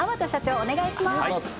お願いします